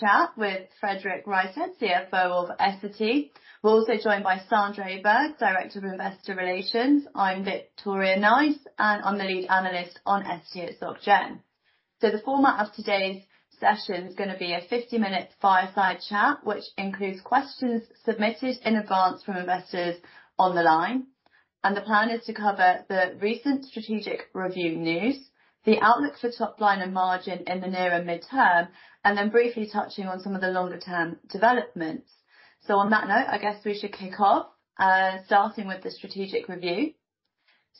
Chat with Fredrik Rystedt, CFO of Essity. We're also joined by Sandra Åberg, Director of Investor Relations. I'm Victoria Nice, I'm the Lead Analyst on Essity at Société Générale. The format of today's session is gonna be a 50-minute fireside chat, which includes questions submitted in advance from investors on the line. The plan is to cover the recent strategic review news, the outlook for top line and margin in the nearer mid-term, and then briefly touching on some of the longer-term developments. On that note, I guess we should kick off, starting with the strategic review.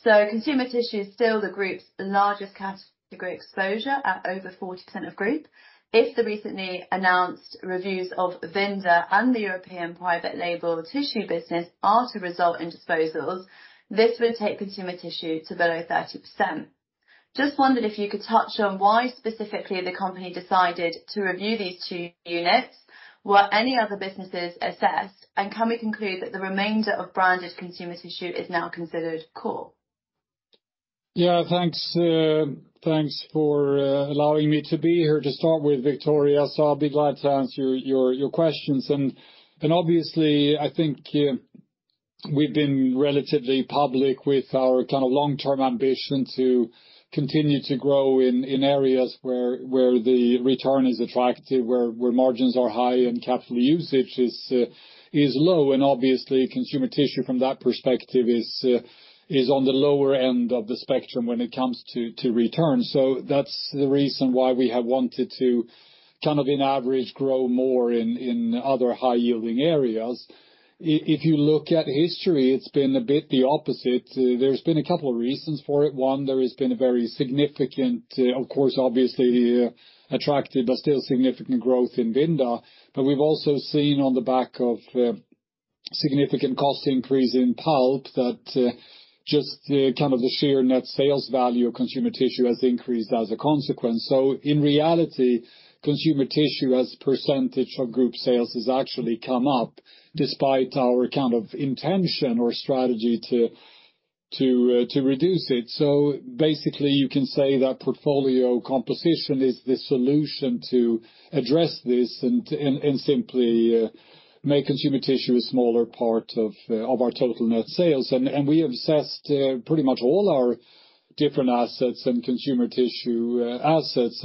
Consumer Tissue is still the group's largest category exposure at over 40% of group. If the recently announced reviews of Vinda and the European Private Label Tissue business are to result in disposals, this would take Consumer Tissue to below 30%. Just wondered if you could touch on why specifically the company decided to review these two units? Were any other businesses assessed, and can we conclude that the remainder of branded Consumer Tissue is now considered core? Yeah, thanks. Thanks for allowing me to be here to start with, Victoria. I'll be glad to answer your questions. Obviously, I think we've been relatively public with our kind of long-term ambition to continue to grow in areas where the return is attractive, where margins are high and capital usage is low. Obviously, Consumer Tissue from that perspective is on the lower end of the spectrum when it comes to return. That's the reason why we have wanted to kind of in average, grow more in other high yielding areas. If you look at history, it's been a bit the opposite. There's been a very significant, of course, obviously attractive, but still significant growth in Vinda. We've also seen on the back of significant cost increase in pulp that just kind of the sheer net sales value of Consumer Tissue has increased as a consequence. In reality, Consumer Tissue as percentage of group sales has actually come up despite our kind of intention or strategy to reduce it. Basically, you can say that portfolio composition is the solution to address this and simply make Consumer Tissue a smaller part of our total net sales. We have assessed pretty much all our different assets and Consumer Tissue assets.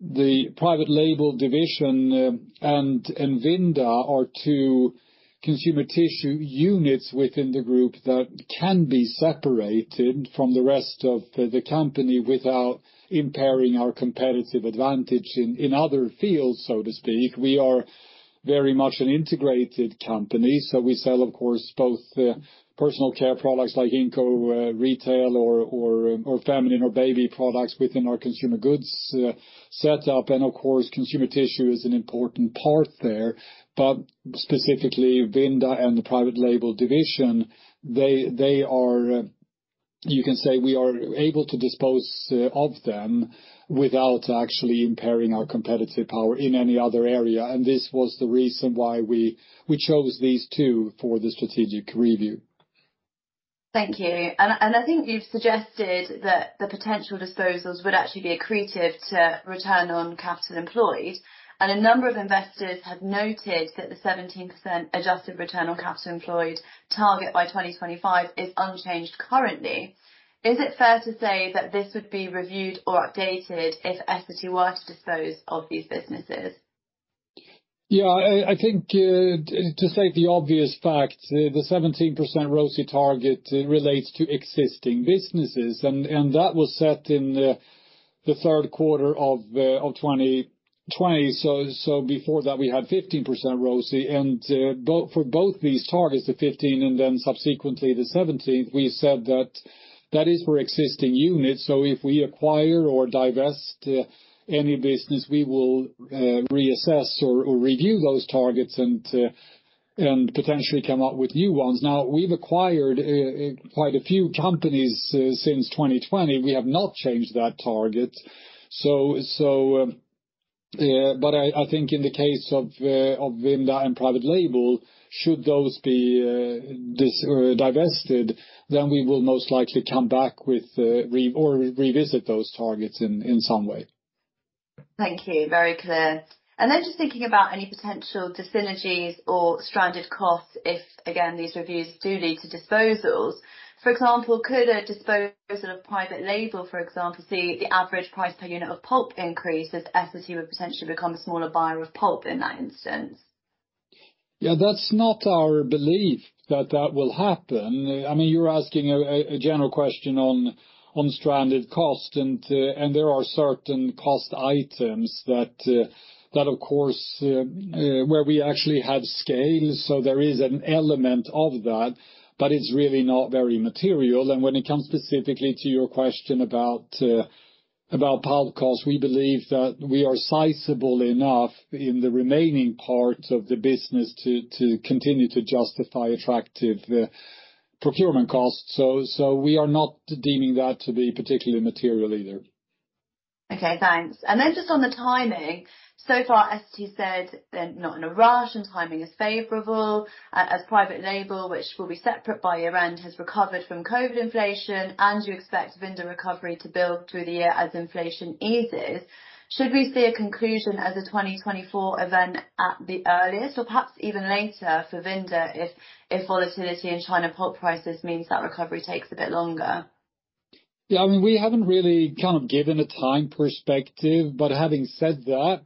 The Private Label Division and Vinda are two Consumer Tissue units within the group that can be separated from the rest of the company without impairing our competitive advantage in other fields, so to speak. We are very much an integrated company. We sell of course both Personal Care products like incontinence, retail or feminine or baby products within our Consumer Goods setup. Of course, Consumer Tissue is an important part there. Specifically Vinda and the Private Label Division, you can say we are able to dispose of them without actually impairing our competitive power in any other area. This was the reason why we chose these two for the strategic review. Thank you. I think you've suggested that the potential disposals would actually be accretive to return on capital employed. A number of investors have noted that the 17% adjusted return on capital employed target by 2025 is unchanged currently. Is it fair to say that this would be reviewed or updated if Essity were to dispose of these businesses? Yeah. I think, to say the obvious fact, the 17% ROCE target relates to existing businesses, and that was set in the third quarter of 2020. Before that, we had 15% ROCE. For both these targets, the 15% and then subsequently the 17%, we said that that is for existing units. If we acquire or divest any business, we will reassess or review those targets and potentially come up with new ones. We've acquired quite a few companies since 2020. We have not changed that target, so, yeah. I think in the case of Vinda and Private Label, should those be divested, then we will most likely come back with or revisit those targets in some way. Thank you. Very clear. Then just thinking about any potential dyssynergies or stranded costs if, again, these reviews do lead to disposals. For example, could a disposal of Private Label, for example, see the average price per unit of pulp increase if Essity would potentially become a smaller buyer of pulp in that instance? Yeah, that's not our belief that that will happen. I mean, you're asking a general question on stranded cost and there are certain cost items that of course, where we actually have scale. There is an element of that, but it's really not very material. When it comes specifically to your question about pulp costs, we believe that we are sizable enough in the remaining parts of the business to continue to justify attractive procurement costs. We are not deeming that to be particularly material either. Okay, thanks. And then just on the timing. So far, Essity said they're not in a rush and timing is favorable as Private Label, which will be separate by year-end, has recovered from COVID inflation and you expect Vinda recovery to build through the year as inflation eases. Should we see a conclusion as a 2024 event at the earliest or perhaps even later for Vinda if volatility in China pulp prices means that recovery takes a bit longer? I mean, we haven't really kind of given a time perspective, but having said that,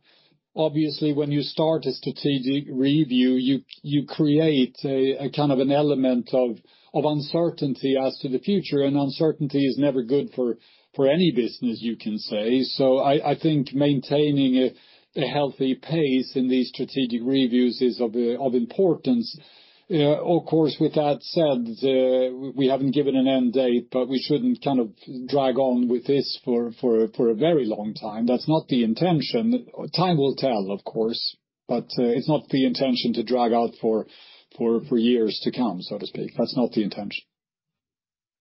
obviously when you start a strategic review, you create a kind of an element of uncertainty as to the future, and uncertainty is never good for any business, you can say. I think maintaining a healthy pace in these strategic reviews is of importance. Of course, with that said, we haven't given an end date, but we shouldn't kind of drag on with this for a very long time. That's not the intention. Time will tell, of course, but it's not the intention to drag out for years to come, so to speak. That's not the intention.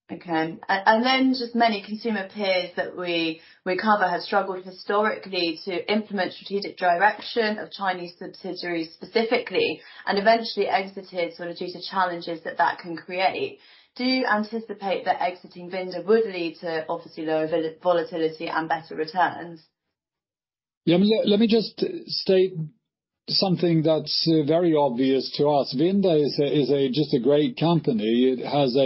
Okay. Then just many consumer peers that we cover have struggled historically to implement strategic direction of Chinese subsidiaries specifically and eventually exited sort of due to challenges that that can create. Do you anticipate that exiting Vinda would lead to obviously lower volatility and better returns? Yeah, let me just state something that's very obvious to us. Vinda is a great company. It has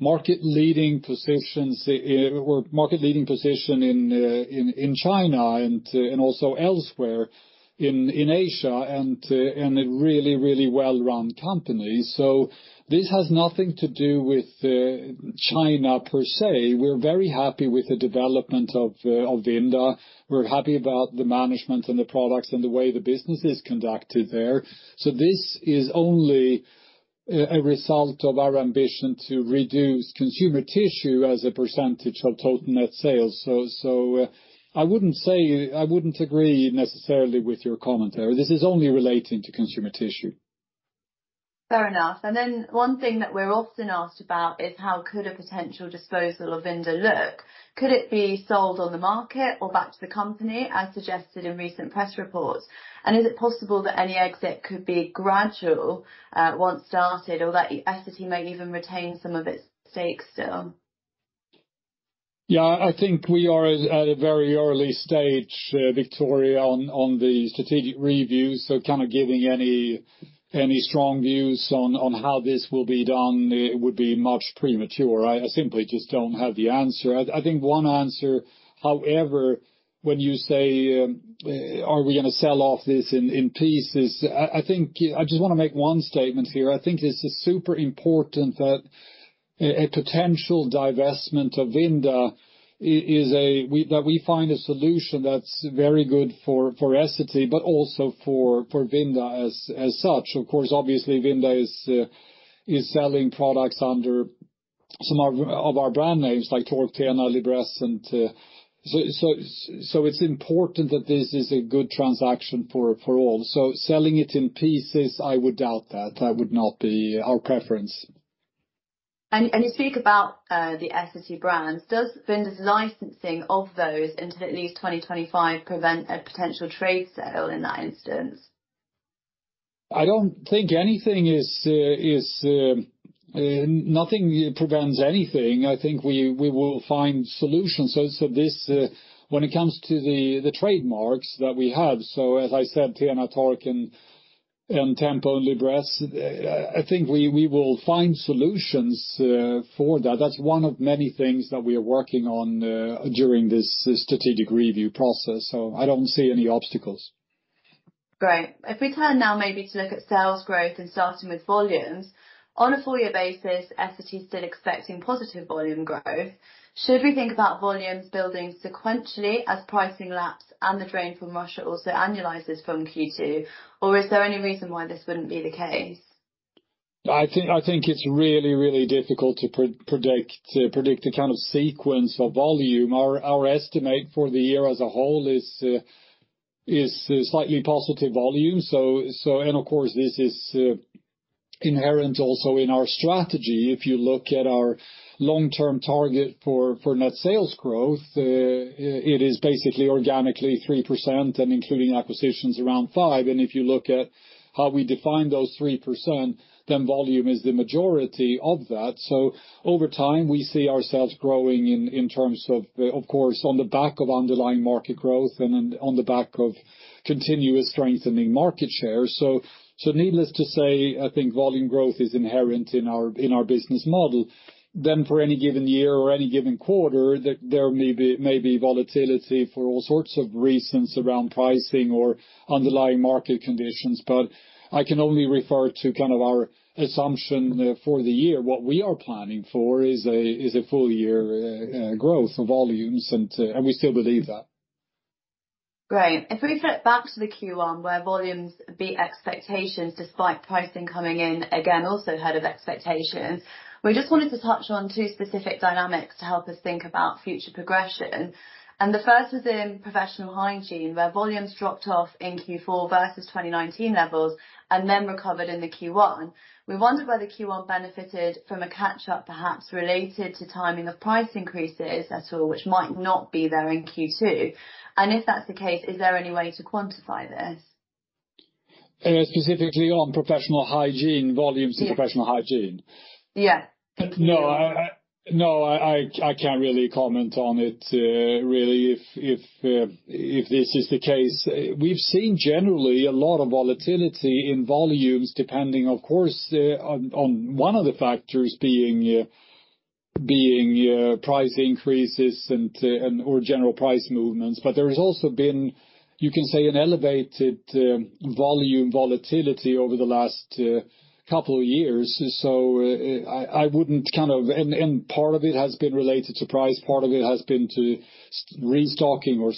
market-leading positions or market-leading position in China and also elsewhere in Asia, and a really well-run company. This has nothing to do with China per se. We're very happy with the development of Vinda. We're happy about the management and the products and the way the business is conducted there. This is only a result of our ambition to reduce Consumer Tissue as a percentage of total net sales. I wouldn't agree necessarily with your commentary. This is only relating to Consumer Tissue. Fair enough. One thing that we're often asked about is how could a potential disposal of Vinda look? Could it be sold on the market or back to the company, as suggested in recent press reports? Is it possible that any exit could be gradual, once started, or that Essity may even retain some of its stakes still? Yeah. I think we are at a very early stage, Victoria, on the strategic review. Kind of giving any strong views on how this will be done would be much premature. I simply just don't have the answer. I think one answer, however, when you say, are we gonna sell off this in pieces, I think I just wanna make one statement here. I think it's super important that a potential divestment of Vinda is a solution that we find that's very good for Essity, but also for Vinda as such. Of course, obviously Vinda is selling products under some of our brand names like Tork, TENA, Libresse, and so it's important that this is a good transaction for all. Selling it in pieces, I would doubt that. That would not be our preference. You speak about the Essity brands. Does Vinda's licensing of those into at least 2025 prevent a potential trade sale in that instance? I don't think anything is nothing prevents anything. I think we will find solutions. This, when it comes to the trademarks that we have, as I said, TENA, Tork and Tempo and Libresse, I think we will find solutions for that. That's one of many things that we are working on during this strategic review process. I don't see any obstacles. Great. If we turn now maybe to look at sales growth and starting with volumes. On a full year basis, Essity is still expecting positive volume growth. Should we think about volumes building sequentially as pricing laps and the drain from Russia also annualizes from Q2, or is there any reason why this wouldn't be the case? I think it's really, really difficult to predict a kind of sequence for volume. Our estimate for the year as a whole is slightly positive volume. Of course, this is inherent also in our strategy. If you look at our long-term target for net sales growth, it is basically organically 3% and including acquisitions around 5%. If you look at how we define those 3%, then volume is the majority of that. Over time, we see ourselves growing in terms of course, on the back of underlying market growth and on the back of continuous strengthening market share. Needless to say, I think volume growth is inherent in our business model. For any given year or any given quarter, there may be volatility for all sorts of reasons around pricing or underlying market conditions. I can only refer to kind of our assumption for the year. What we are planning for is a full year growth of volumes, and we still believe that. Great. If we flip back to the Q1 where volumes beat expectations despite pricing coming in, again, also ahead of expectations, we just wanted to touch on two specific dynamics to help us think about future progression. The first was in Professional Hygiene, where volumes dropped off in Q4 versus 2019 levels and then recovered into Q1. We wondered whether Q1 benefited from a catch-up perhaps related to timing of price increases at all, which might not be there in Q2. If that's the case, is there any way to quantify this? Specifically on Professional Hygiene, volumes in Professional Hygiene? Yeah. No, I can't really comment on it really, if this is the case. We've seen generally a lot of volatility in volumes depending, of course, on one of the factors being price increases and/or general price movements. There has also been, you can say, an elevated volume volatility over the last couple of years. I wouldn't kind of. Part of it has been related to price, part of it has been to restocking or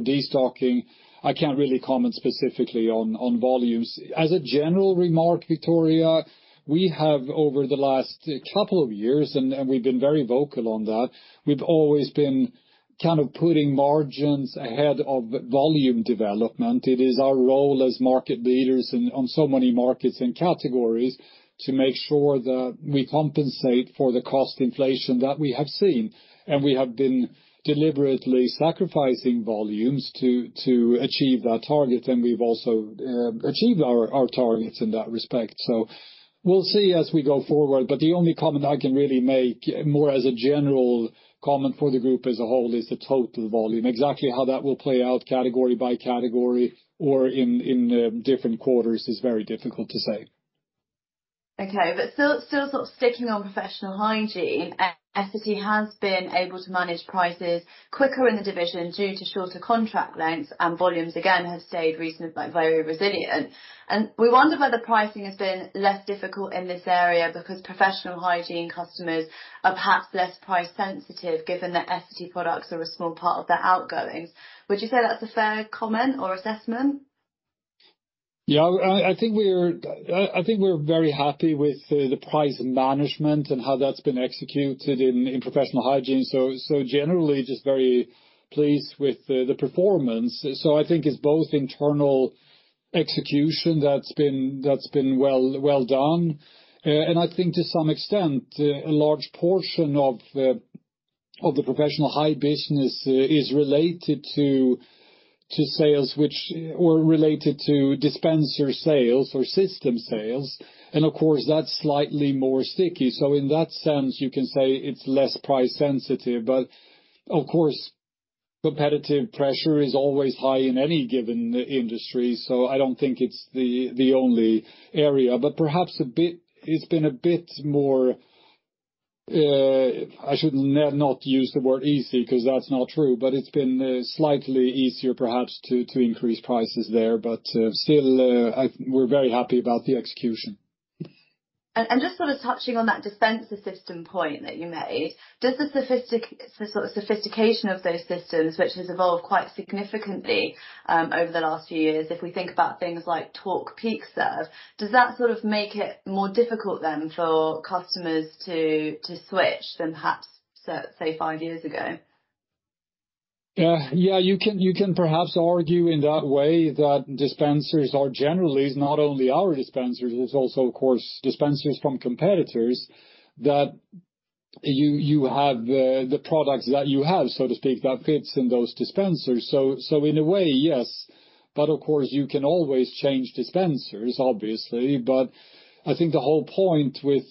destocking. I can't really comment specifically on volumes. As a general remark, Victoria, we have over the last couple of years, we've been very vocal on that, we've always been kind of putting margins ahead of volume development. It is our role as market leaders on so many markets and categories to make sure that we compensate for the cost inflation that we have seen. We have been deliberately sacrificing volumes to achieve that target, and we've also achieved our targets in that respect. We'll see as we go forward, but the only comment I can really make, more as a general comment for the group as a whole, is the total volume. Exactly how that will play out category by category or in different quarters is very difficult to say. Still, sort of sticking on Professional Hygiene, Essity has been able to manage prices quicker in the division due to shorter contract lengths and volumes, again, has stayed recently very resilient. We wonder whether pricing has been less difficult in this area because Professional Hygiene customers are perhaps less price sensitive given that Essity products are a small part of their outgoings. Would you say that's a fair comment or assessment? Yeah, I think we're very happy with the price management and how that's been executed in Professional Hygiene. Generally just very pleased with the performance. I think it's both internal execution that's been well done. I think to some extent, a large portion of the Professional Hygiene business is related to sales or related to dispenser sales or system sales. Of course, that's slightly more sticky. In that sense, you can say it's less price sensitive. Of course, competitive pressure is always high in any given industry, so I don't think it's the only area. Perhaps a bit, it's been a bit more, I should not use the word easy 'cause that's not true, but it's been slightly easier perhaps to increase prices there. Still, we're very happy about the execution. Just sort of touching on that dispenser system point that you made. Does the sort of sophistication of those systems, which has evolved quite significantly over the last few years, if we think about things like Tork PeakServe, does that sort of make it more difficult then for customers to switch than perhaps five years ago? Yeah, you can perhaps argue in that way that dispensers are generally, it's not only our dispensers, it's also of course dispensers from competitors, that you have the products that you have, so to speak, that fits in those dispensers. In a way, yes. Of course, you can always change dispensers, obviously. I think the whole point with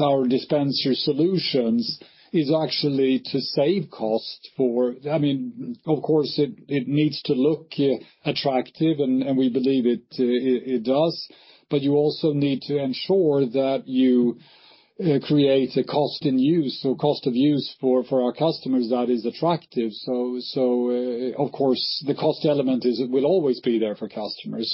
our dispenser solutions is actually to save costs for... I mean, of course it needs to look attractive and we believe it does. You also need to ensure that you create a cost in use, so cost of use for our customers that is attractive. Of course, the cost element is, will always be there for customers.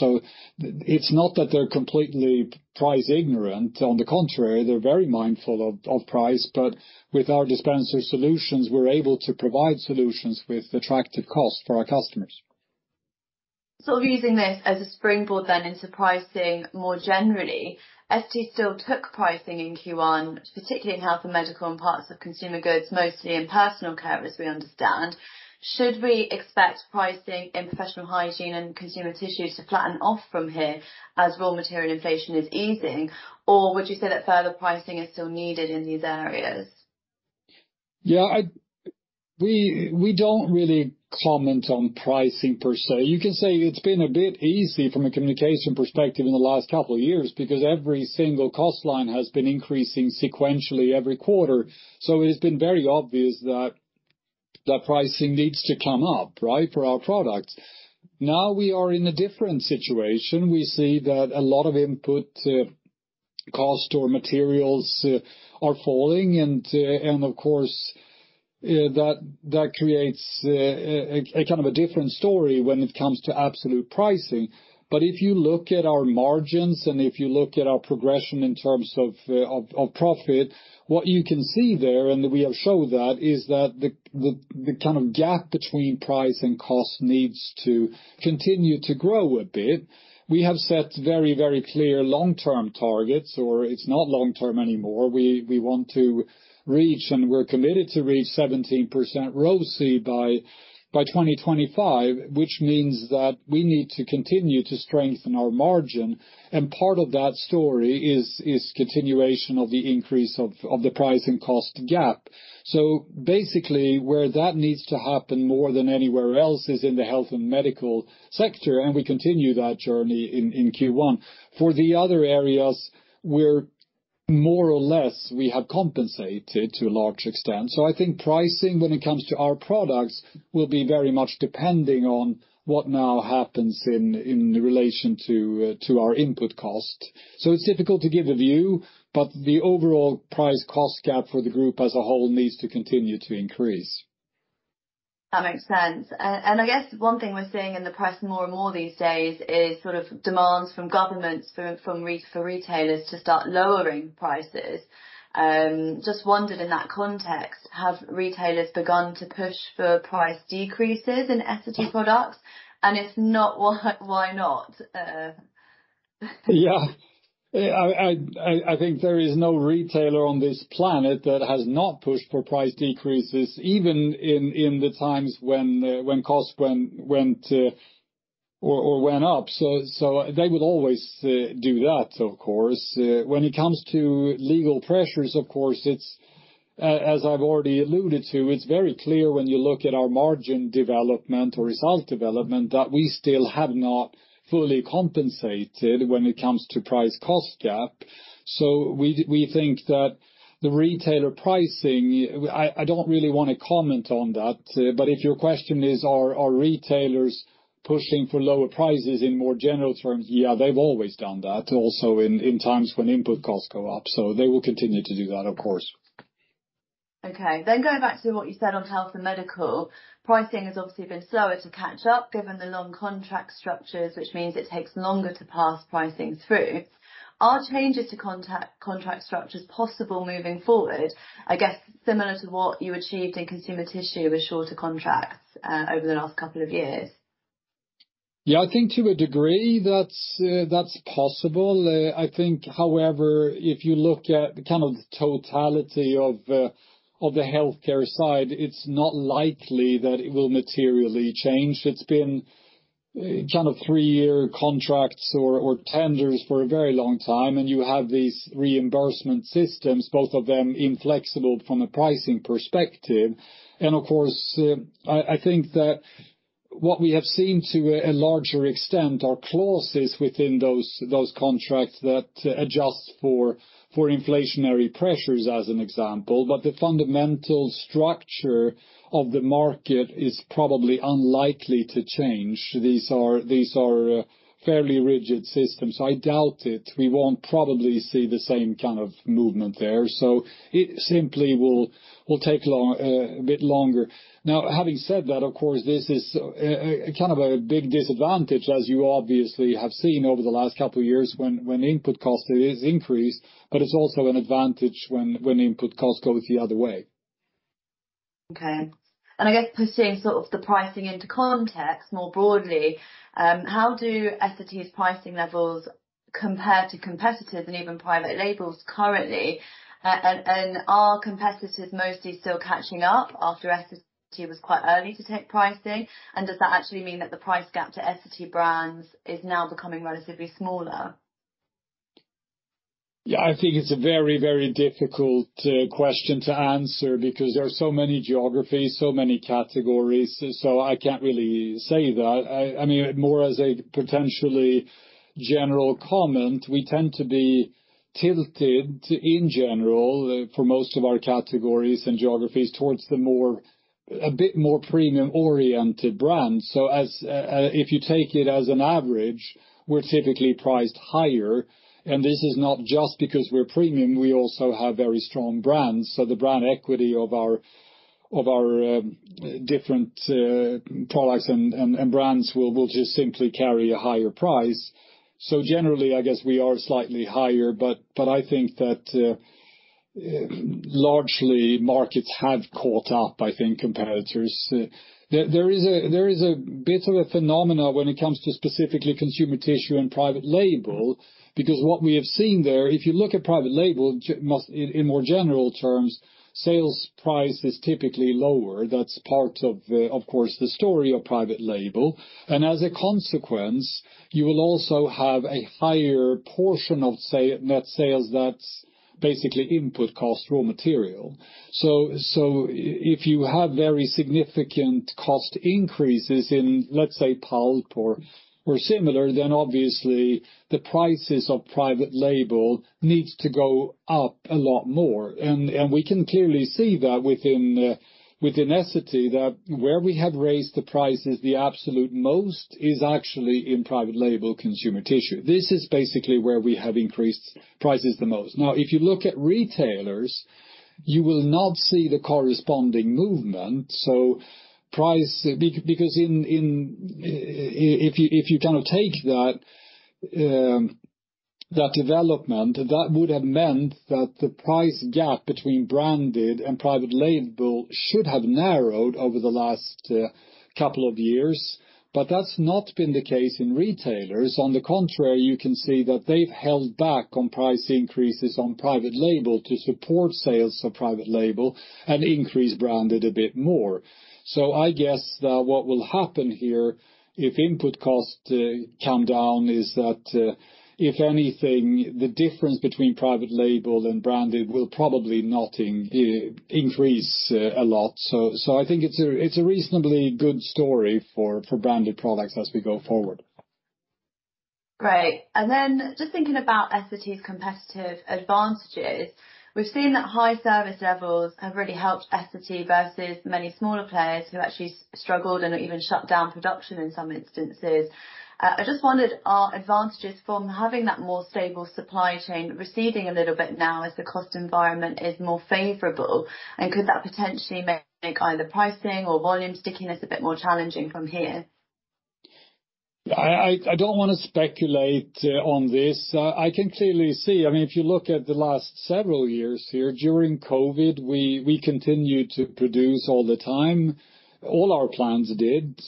It's not that they're completely price ignorant. On the contrary, they're very mindful of price. With our dispenser solutions, we're able to provide solutions with attractive cost for our customers. Using this as a springboard then into pricing more generally. Essity still took pricing in Q1, particularly in Health & Medical and parts of Consumer Goods, mostly in Personal Care, as we understand. Should we expect pricing in Professional Hygiene and Consumer Tissues to flatten off from here as raw material inflation is easing? Or would you say that further pricing is still needed in these areas? We don't really comment on pricing per se. You can say it's been a bit easy from a communication perspective in the last couple of years because every single cost line has been increasing sequentially every quarter. It has been very obvious that the pricing needs to come up, right, for our products. Now we are in a different situation. We see that a lot of input cost or materials are falling and of course, that creates a kind of a different story when it comes to absolute pricing. If you look at our margins and if you look at our progression in terms of profit, what you can see there, and we have showed that, is that the kind of gap between price and cost needs to continue to grow a bit. We have set very, very clear long-term targets, or it's not long-term anymore. We want to reach and we're committed to reach 17% ROCE by 2025, which means that we need to continue to strengthen our margin. Part of that story is continuation of the increase of the price and cost gap. Basically, where that needs to happen more than anywhere else is in the Health & Medical sector, and we continue that journey in Q1. For the other areas, More or less, we have compensated to a large extent. I think pricing when it comes to our products, will be very much depending on what now happens in relation to our input cost. It's difficult to give a view, but the overall price cost gap for the group as a whole needs to continue to increase. That makes sense. I guess one thing we're seeing in the press more and more these days is sort of demands from governments for retailers to start lowering prices. Just wondered in that context, have retailers begun to push for price decreases in Essity products? If not, why not? Yeah. I think there is no retailer on this planet that has not pushed for price decreases, even in the times when costs went up. They would always do that, of course. When it comes to legal pressures, of course, it's as I've already alluded to, it's very clear when you look at our margin development or result development, that we still have not fully compensated when it comes to price cost gap. We think that the retailer pricing, I don't really wanna comment on that. If your question is, are retailers pushing for lower prices in more general terms? Yeah, they've always done that, also in times when input costs go up. They will continue to do that, of course. Okay. Going back to what you said on Health & Medical, pricing has obviously been slower to catch up given the long contract structures, which means it takes longer to pass pricing through. Are changes to contract structures possible moving forward? I guess similar to what you achieved in Consumer Tissue with shorter contracts over the last couple of years. Yeah, I think to a degree, that's possible. I think, however, if you look at the kind of totality of the healthcare side, it's not likely that it will materially change. It's been kind of three-year contracts or tenders for a very long time, and you have these reimbursement systems, both of them inflexible from a pricing perspective. Of course, I think that what we have seen to a larger extent are clauses within those contracts that adjust for inflationary pressures, as an example. The fundamental structure of the market is probably unlikely to change. These are fairly rigid systems. I doubt it. We won't probably see the same kind of movement there, so it simply will take long, a bit longer. Having said that, of course, this is kind of a big disadvantage, as you obviously have seen over the last couple of years when input cost is increased, but it's also an advantage when input costs go the other way. Okay. And I guess putting sort of the pricing into context more broadly, how do Essity's pricing levels compare to competitors and even Private Labels currently? Are competitors mostly still catching up after Essity was quite early to take pricing? Does that actually mean that the price gap to Essity brands is now becoming relatively smaller? Yeah, I think it's a very, very difficult question to answer because there are so many geographies, so many categories, so I can't really say that. I mean, more as a potentially general comment, we tend to be tilted in general for most of our categories and geographies, towards the more, a bit more premium-oriented brand. As, if you take it as an average, we're typically priced higher, and this is not just because we're premium, we also have very strong brands. The brand equity of our different products and brands will just simply carry a higher price. Generally, I guess we are slightly higher, but I think that largely markets have caught up, I think competitors. There is a bit of a phenomenon when it comes to specifically Consumer Tissue and Private Label, because what we have seen there, if you look at Private Label, in more general terms, sales price is typically lower. That's part of the, of course, the story of Private Label. As a consequence, you will also have a higher portion of net sales that's basically input cost, raw material. If you have very significant cost increases in, let's say, pulp or similar, then obviously the prices of Private Label needs to go up a lot more. We can clearly see that within Essity, that where we have raised the prices the absolute most is actually in Private Label Consumer Tissue. This is basically where we have increased prices the most. If you look at retailers, you will not see the corresponding movement. Price because if you kind of take that development, that would have meant that the price gap between branded and Private Label should have narrowed over the last couple of years, but that's not been the case in retailers. On the contrary, you can see that they've held back on price increases on Private Label to support sales of Private Label and increase branded a bit more. I guess that what will happen here, if input costs come down, is that if anything, the difference between Private Label and branded will probably not increase a lot. I think it's a reasonably good story for branded products as we go forward. Great. Then just thinking about Essity's competitive advantages, we've seen that high service levels have really helped Essity versus many smaller players who actually struggled and even shut down production in some instances. I just wondered, are advantages from having that more stable supply chain receding a little bit now as the cost environment is more favorable? Could that potentially make either pricing or volume stickiness a bit more challenging from here? I don't wanna speculate on this. I can clearly see, I mean, if you look at the last several years here, during COVID, we continued to produce all the time. All our plants did.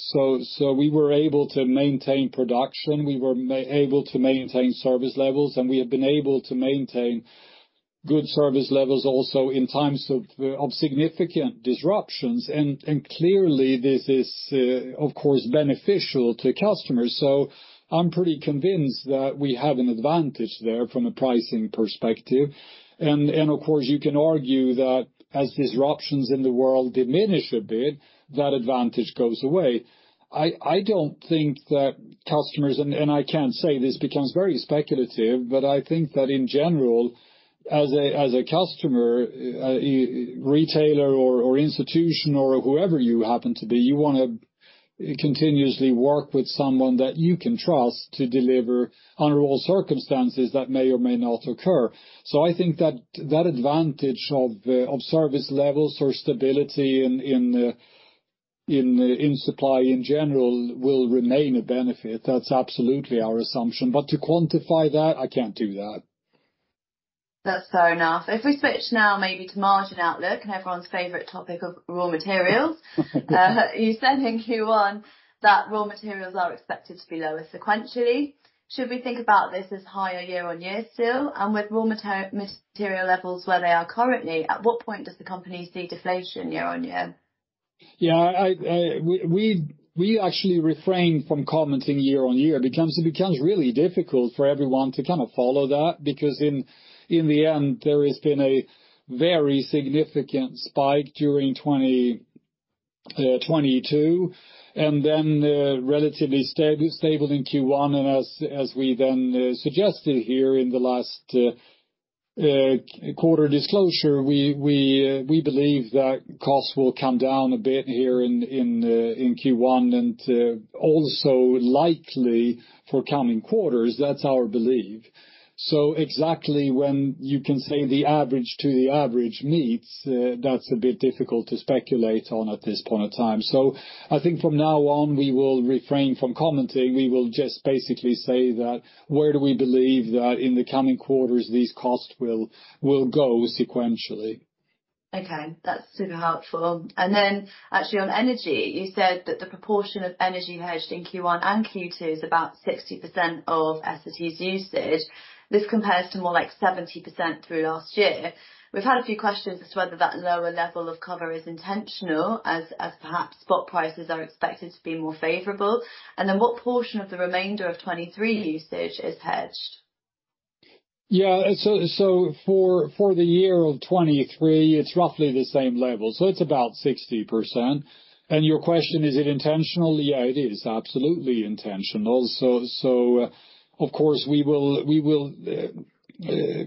We were able to maintain production, we were able to maintain service levels, and we have been able to maintain good service levels also in times of significant disruptions. Clearly this is, of course beneficial to customers. I'm pretty convinced that we have an advantage there from a pricing perspective. Of course, you can argue that as disruptions in the world diminish a bit, that advantage goes away. I don't think that customers, and I can't say this becomes very speculative, but I think that in general, as a customer, retailer or institution or whoever you happen to be, you wanna continuously work with someone that you can trust to deliver under all circumstances that may or may not occur. I think that advantage of service levels or stability in supply in general will remain a benefit. That's absolutely our assumption. To quantify that, I can't do that. That's fair enough. If we switch now maybe to margin outlook and everyone's favorite topic of raw materials. You said in Q1 that raw materials are expected to be lower sequentially. Should we think about this as higher year-on-year still? With raw material levels where they are currently, at what point does the company see deflation year-on-year? Yeah, we actually refrain from commenting year-on-year. It becomes really difficult for everyone to kind of follow that because in the end, there has been a very significant spike during 2022, and then, relatively stable in Q1. As we then, suggested here in the last quarter disclosure, we believe that costs will come down a bit here in Q1, and also likely for coming quarters. That's our belief. Exactly when you can say the average to the average meets, that's a bit difficult to speculate on at this point in time. I think from now on, we will refrain from commenting. We will just basically say that where do we believe that in the coming quarters these costs will go sequentially. Okay, that's super helpful. Actually on energy, you said that the proportion of energy hedged in Q1 and Q2 is about 60% of Essity's usage. This compares to more like 70% through last year. We've had a few questions as to whether that lower level of cover is intentional as perhaps spot prices are expected to be more favorable. What portion of the remainder of 2023 usage is hedged? Yeah. For the year of 2023, it's roughly the same level, so it's about 60%. Your question, is it intentional? Yeah, it is absolutely intentional. Of course we will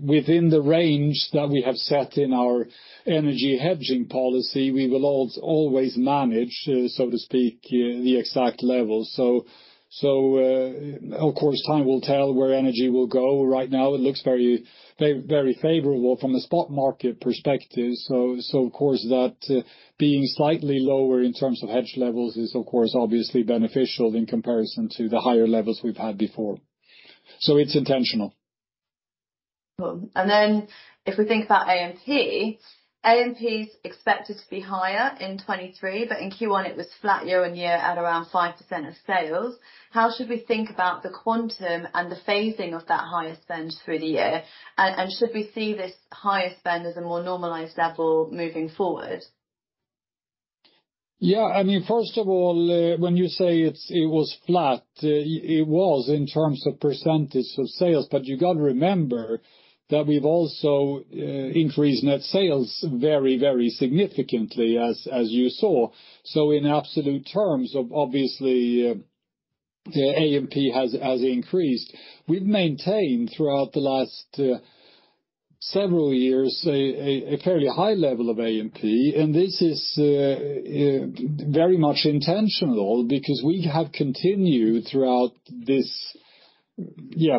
within the range that we have set in our energy hedging policy, we will always manage, so to speak, the exact level. Of course, time will tell where energy will go. Right now, it looks very favorable from the spot market perspective. Of course, that being slightly lower in terms of hedge levels is of course obviously beneficial in comparison to the higher levels we've had before. It's intentional. Cool. If we think about A&P is expected to be higher in 2023, but in Q1 it was flat year-on-year at around 5% of sales. How should we think about the quantum and the phasing of that higher spend through the year? Should we see this higher spend as a more normalized level moving forward? Yeah, I mean, first of all, when you say it was flat, it was in terms of percentage of sales. You gotta remember that we've also increased net sales very, very significantly as you saw. In absolute terms of obviously, the A&P has increased. We've maintained throughout the last several years a fairly high level of A&P, and this is very much intentional because we have continued throughout this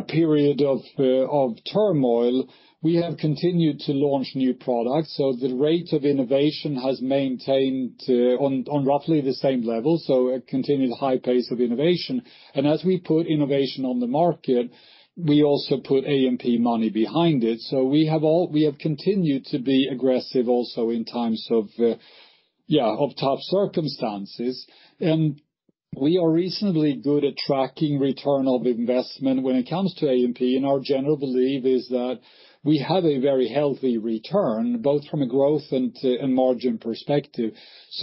period of turmoil, we have continued to launch new products, so the rate of innovation has maintained on roughly the same level, so a continued high pace of innovation. As we put innovation on the market, we also put A&P money behind it. We have continued to be aggressive also in times of tough circumstances. We are reasonably good at tracking return of investment when it comes to A&P, our general belief is that we have a very healthy return, both from a growth and margin perspective.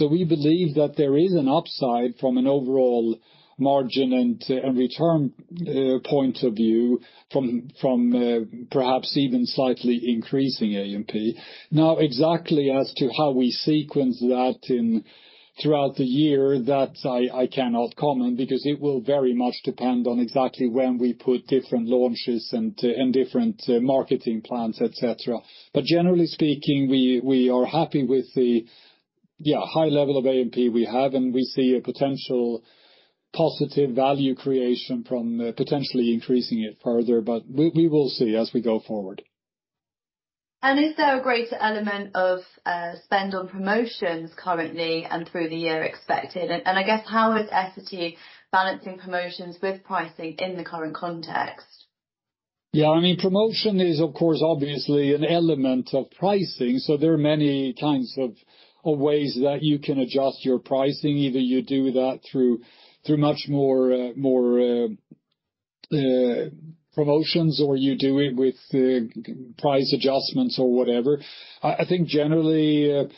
We believe that there is an upside from an overall margin and return point of view from perhaps even slightly increasing A&P. Exactly as to how we sequence that in throughout the year, that I cannot comment because it will very much depend on exactly when we put different launches and different marketing plans, et cetera. Generally speaking, we are happy with the high level of A&P we have, and we see a potential positive value creation from potentially increasing it further, but we will see as we go forward. Is there a greater element of spend on promotions currently and through the year expected? I guess how is Essity balancing promotions with pricing in the current context? Yeah, I mean promotion is, of course, obviously an element of pricing, so there are many kinds of ways that you can adjust your pricing. Either you do that through much more, more promotions, or you do it with price adjustments or whatever. I think generally.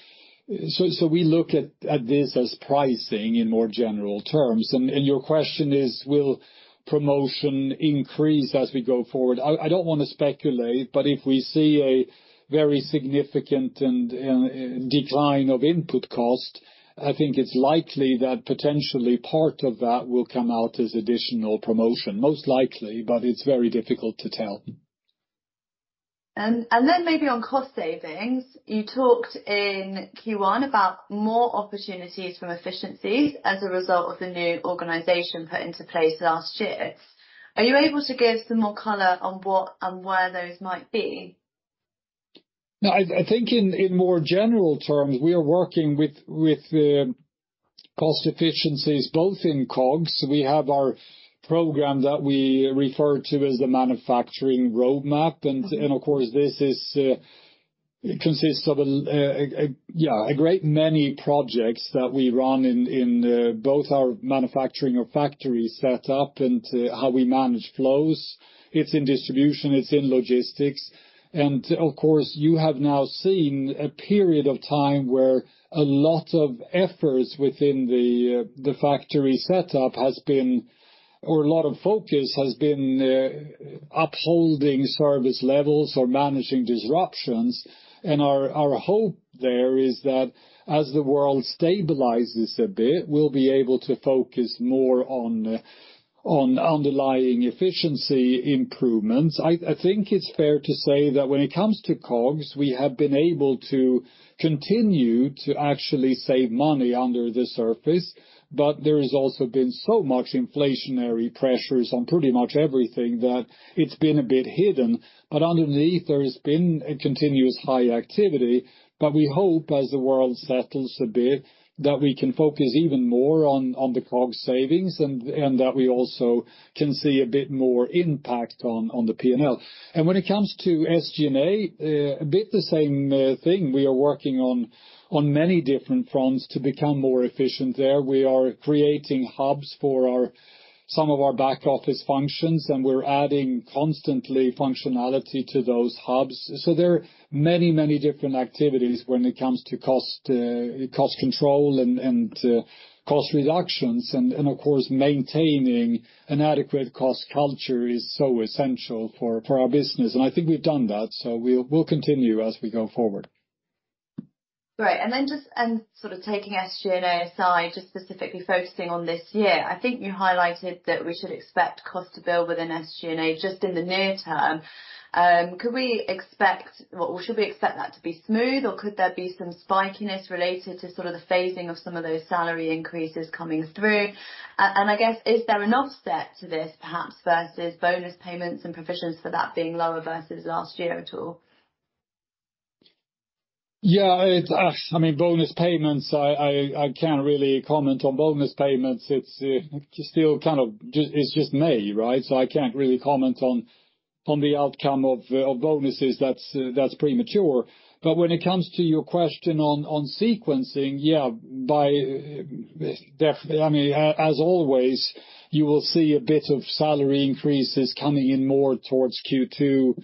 We look at this as pricing in more general terms. Your question is, will promotion increase as we go forward? I don't wanna speculate, but if we see a very significant and decline of input cost, I think it's likely that potentially part of that will come out as additional promotion. Most likely, but it's very difficult to tell. Maybe on cost savings, you talked in Q1 about more opportunities from efficiencies as a result of the new organization put into place last year. Are you able to give some more color on what and where those might be? No, I think in more general terms, we are working with cost efficiencies both in COGS. We have our program that we refer to as the Manufacturing Roadmap. Mm-hmm. Of course, this is, it consists of a great many projects that we run in both our manufacturing or factory setup and how we manage flows. It's in distribution, it's in logistics. Of course, you have now seen a period of time where a lot of efforts within the factory setup has been, or a lot of focus has been, upholding service levels or managing disruptions. Our hope there is that as the world stabilizes a bit, we'll be able to focus more on underlying efficiency improvements. I think it's fair to say that when it comes to COGS, we have been able to continue to actually save money under the surface, but there has also been so much inflationary pressures on pretty much everything that it's been a bit hidden. Underneath, there has been a continuous high activity. We hope, as the world settles a bit, that we can focus even more on the COGS savings and that we also can see a bit more impact on the P&L. When it comes to SG&A, a bit the same thing. We are working on many different fronts to become more efficient there. We are creating hubs for our, some of our back office functions, and we're adding constantly functionality to those hubs. There are many, many different activities when it comes to cost control and cost reductions and of course, maintaining an adequate cost culture is so essential for our business. I think we've done that, so we'll continue as we go forward. Great. Just, and sort of taking SG&A aside, just specifically focusing on this year, I think you highlighted that we should expect cost to build within SG&A just in the near term. Could we expect or should we expect that to be smooth, or could there be some spikiness related to sort of the phasing of some of those salary increases coming through? I guess is there an offset to this, perhaps versus bonus payments and provisions for that being lower versus last year at all? Yeah, it's, I mean, bonus payments, I can't really comment on bonus payments. It's still kind of... It's just May, right? I can't really comment on the outcome of bonuses. That's premature. When it comes to your question on sequencing, yeah, I mean, as always, you will see a bit of salary increases coming in more towards Q2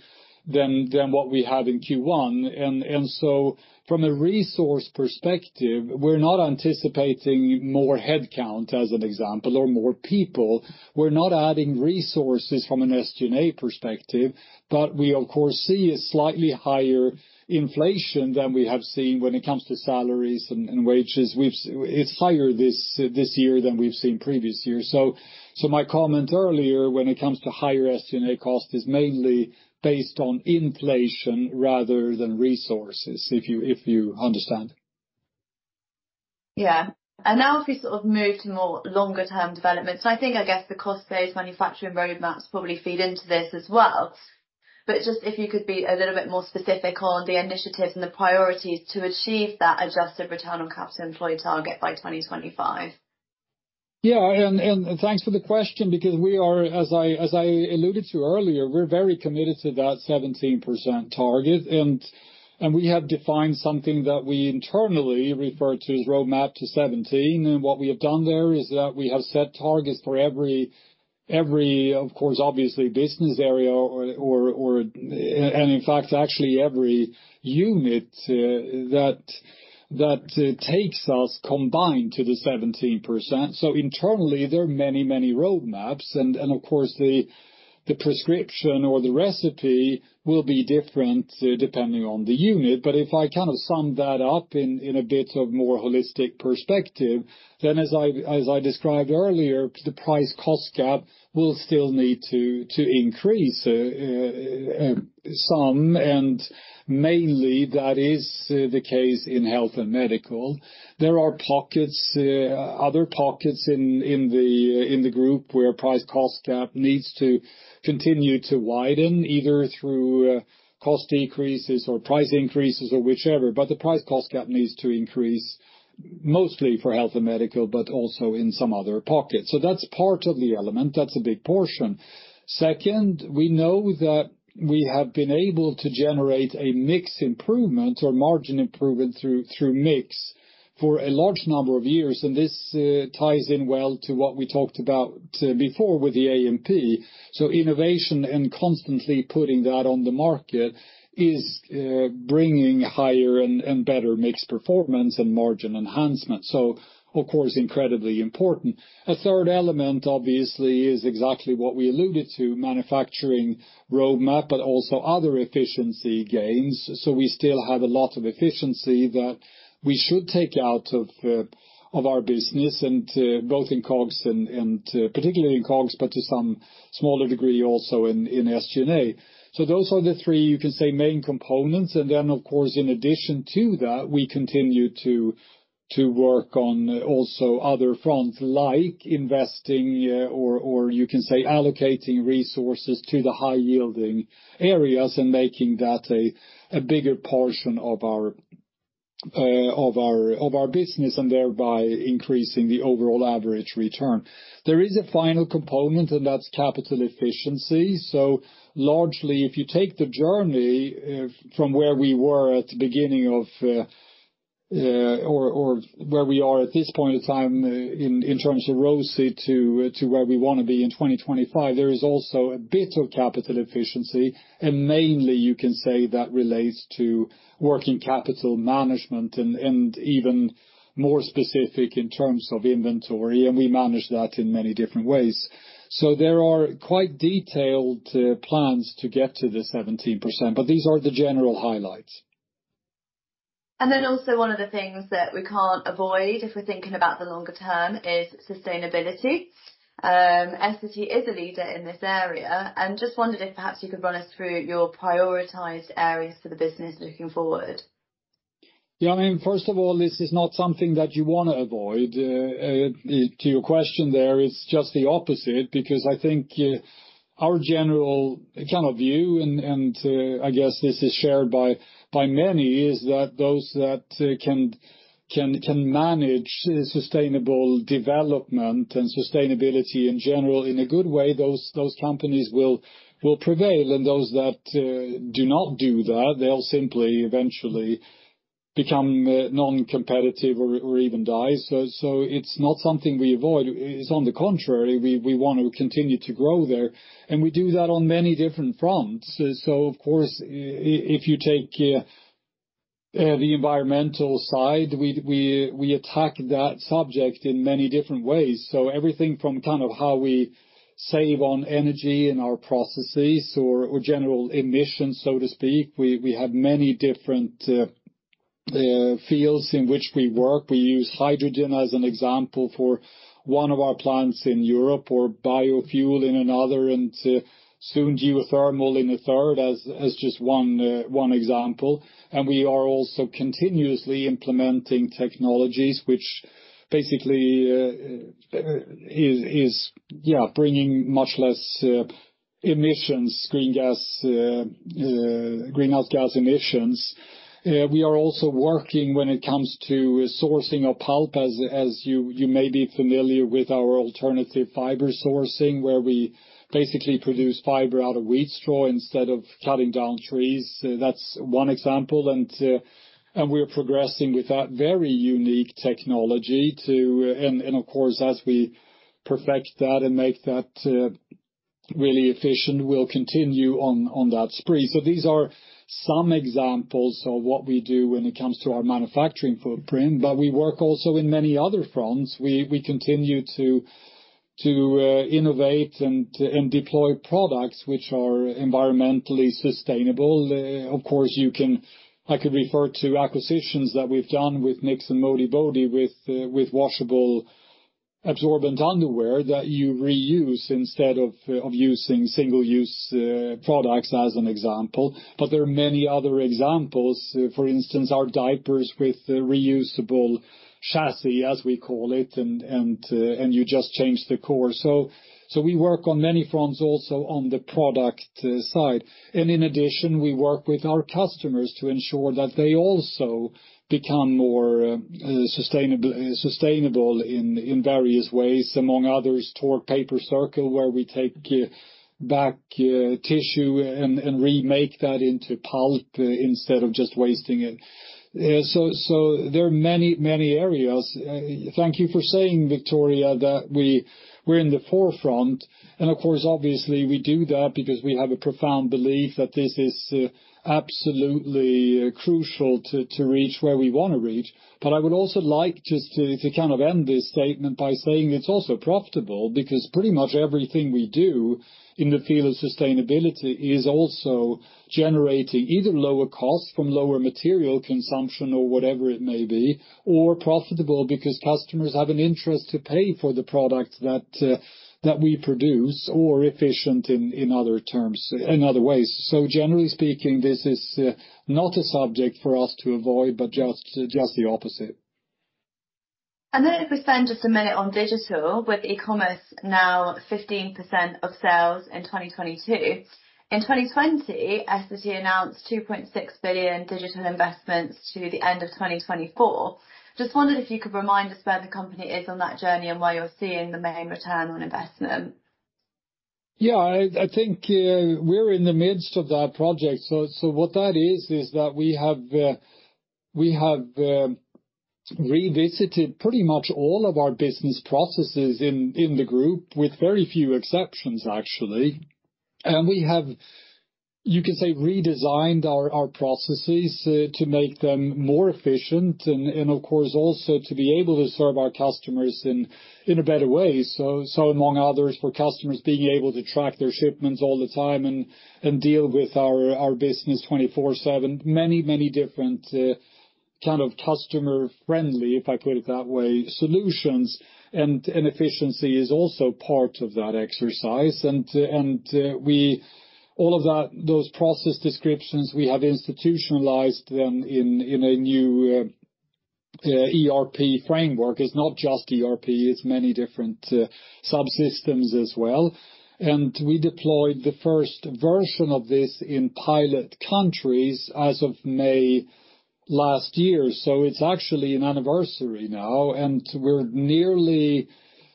than what we had in Q1. From a resource perspective, we're not anticipating more headcount, as an example, or more people. We're not adding resources from an SG&A perspective, but we, of course, see a slightly higher inflation than we have seen when it comes to salaries and wages. It's higher this year than we've seen previous years. My comment earlier when it comes to higher SG&A cost is mainly based on inflation rather than resources, if you understand. Yeah. Now if we sort of move to more longer term developments, so I think, I guess, the cost base Manufacturing Roadmap probably feed into this as well. Just if you could be a little bit more specific on the initiatives and the priorities to achieve that adjusted return on capital employed target by 2025. Yeah. Thanks for the question because we are, as I, as I alluded to earlier, we're very committed to that 17% target. We have defined something that we internally refer to as Roadmap to 17%. What we have done there is that we have set targets for every, of course, obviously business area or, and in fact, actually every unit that takes us combined to the 17%. Internally, there are many roadmaps. Of course the prescription or the recipe will be different depending on the unit. If I kind of sum that up in a bit of more holistic perspective, then as I, as I described earlier, the price cost gap will still need to increase some, and mainly that is the case in Health & Medical. There are pockets, other pockets in the, in the group where price cost gap needs to continue to widen, either through cost decreases or price increases or whichever. The price cost gap needs to increase mostly for Health & Medical, but also in some other pockets. That's part of the element. That's a big portion. Second, we know that we have been able to generate a mix improvement or margin improvement through mix for a large number of years, and this ties in well to what we talked about before with the A&P. Innovation and constantly putting that on the market is bringing higher and better mix performance and margin enhancement. Of course, incredibly important. A third element obviously is exactly what we alluded to, Manufacturing Roadmap, but also other efficiency gains. We still have a lot of efficiency that we should take out of our business, and both in COGS and particularly in COGS, but to some smaller degree also in SG&A. Those are the three, you could say, main components. Of course, in addition to that, we continue to work on also other fronts like investing or you can say allocating resources to the high-yielding areas and making that a bigger portion of our business and thereby increasing the overall average return. There is a final component, and that's capital efficiency. Largely, if you take the journey from where we were at the beginning of, or where we are at this point in time in terms of ROCE to where we wanna be in 2025, there is also a bit of capital efficiency, and mainly you can say that relates to working capital management and even more specific in terms of inventory, and we manage that in many different ways. There are quite detailed plans to get to the 17%, but these are the general highlights. Also one of the things that we can't avoid if we're thinking about the longer term is sustainability. Essity is a leader in this area, and just wondered if perhaps you could run us through your prioritized areas for the business looking forward. Yeah, I mean, first of all, this is not something that you wanna avoid. To your question, there is just the opposite because I think our general kind of view and, I guess this is shared by many, is that those that can manage sustainable development and sustainability in general in a good way, those companies will prevail and those that do not do that, they'll simply eventually become non-competitive or even die. It's not something we avoid. It's on the contrary, we want to continue to grow there, and we do that on many different fronts. Of course, if you take the environmental side, we attack that subject in many different ways. Everything from kind of how we save on energy in our processes or general emissions, so to speak. We have many different fields in which we work. We use hydrogen as an example for one of our plants in Europe or biofuel in another, and soon geothermal in a third as just one example. We are also continuously implementing technologies which basically is bringing much less emissions, green gas, greenhouse gas emissions. We are also working when it comes to sourcing of pulp, as you may be familiar with our alternative fiber sourcing, where we basically produce fiber out of wheat straw instead of cutting down trees. That's one example. We are progressing with that very unique technology and of course, as we perfect that and make that really efficient, we'll continue on that spree. These are some examples of what we do when it comes to our manufacturing footprint, but we work also in many other fronts. We continue to innovate and deploy products which are environmentally sustainable. Of course, I could refer to acquisitions that we've done with Knix and Modibodi with washable absorbent underwear that you reuse instead of using single-use products as an example. There are many other examples. For instance, our diapers with reusable chassis, as we call it, and you just change the core. We work on many fronts also on the product side. In addition, we work with our customers to ensure that they also become more sustainable in various ways, among others, through our Tork PaperCircle, where we take back tissue and remake that into pulp instead of just wasting it. There are many, many areas. Thank you for saying, Victoria, that we're in the forefront. Of course, obviously, we do that because we have a profound belief that this is absolutely crucial to reach where we wanna reach. I would also like just to kind of end this statement by saying it's also profitable, because pretty much everything we do in the field of sustainability is also generating either lower costs from lower material consumption or whatever it may be, or profitable because customers have an interest to pay for the product that we produce or efficient in other terms, in other ways. Generally speaking, this is not a subject for us to avoid, but just the opposite. If we spend just a minute on digital with e-commerce now 15% of sales in 2022. In 2020, Essity announced 2.6 billion digital investments to the end of 2024. Just wondered if you could remind us where the company is on that journey and where you're seeing the main return on investment? Yeah. I think we're in the midst of that project. What that is that we have revisited pretty much all of our business processes in the group with very few exceptions, actually. We have, you could say, redesigned our processes to make them more efficient and of course, also to be able to serve our customers in a better way. Among others, for customers being able to track their shipments all the time and deal with our business 24/7, many, many different kind of customer friendly, if I put it that way, solutions, and efficiency is also part of that exercise. All of that, those process descriptions, we have institutionalized them in a new ERP framework. It's not just ERP, it's many different subsystems as well. We deployed the first version of this in pilot countries as of May last year. It's actually an anniversary now, and we're nearly,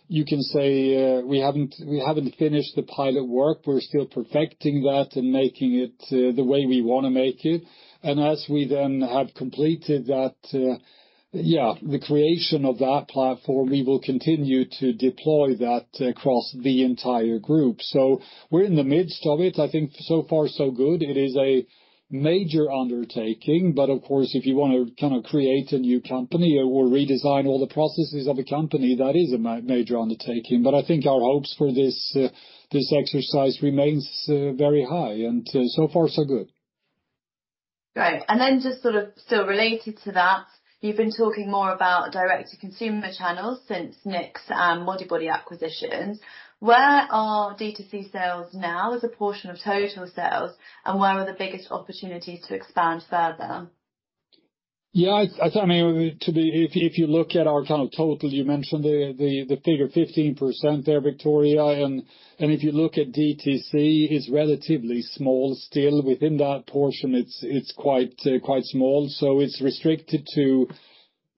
you can say, we haven't finished the pilot work. We're still perfecting that and making it the way we wanna make it. As we then have completed that, yeah, the creation of that platform, we will continue to deploy that across the entire group. We're in the midst of it. I think so far, so good. It is a major undertaking, but of course, if you wanna kind of create a new company or redesign all the processes of a company, that is a major undertaking. I think our hopes for this exercise remains very high and so far, so good. Great. Just sort of still related to that, you've been talking more about direct to consumer channels since Knix and Modibodi acquisitions. Where are D2C sales now as a portion of total sales, and where are the biggest opportunities to expand further? I think if you look at our kind of total, you mentioned the figure 15% there, Victoria, and if you look at DTC, it's relatively small still. Within that portion, it's quite small. It's restricted to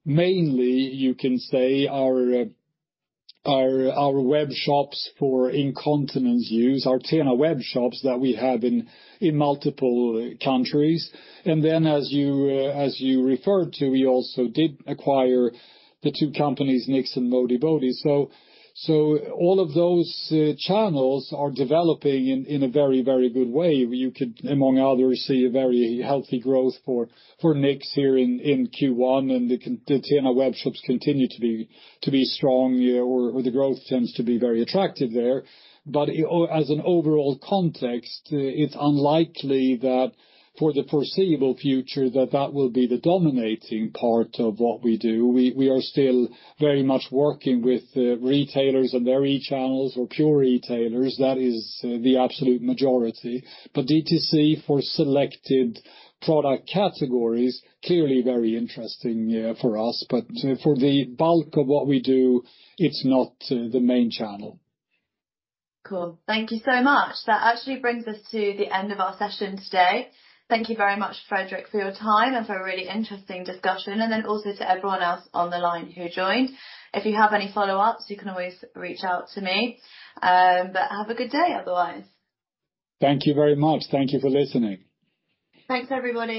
mainly, you can say, our web shops for incontinence use, our TENA web shops that we have in multiple countries. As you referred to, we also did acquire the two companies, Knix and Modibodi. All of those channels are developing in a very, very good way. You could, among others, see a very healthy growth for Knix here in Q1 and the TENA web shops continue to be strong, or the growth tends to be very attractive there. As an overall context, it's unlikely that for the foreseeable future that that will be the dominating part of what we do. We are still very much working with retailers and their e-channels or pure retailers. That is the absolute majority. DTC for selected product categories, clearly very interesting for us. For the bulk of what we do, it's not the main channel. Cool. Thank you so much. That actually brings us to the end of our session today. Thank you very much, Fredrik, for your time and for a really interesting discussion, and also to everyone else on the line who joined. If you have any follow-ups, you can always reach out to me. Have a good day, otherwise. Thank you very much. Thank you for listening. Thanks, everybody.